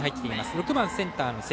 ６番センターの関。